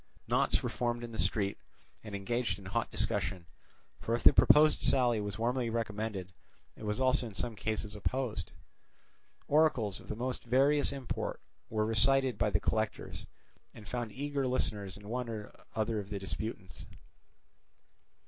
Knots were formed in the streets and engaged in hot discussion; for if the proposed sally was warmly recommended, it was also in some cases opposed. Oracles of the most various import were recited by the collectors, and found eager listeners in one or other of the disputants.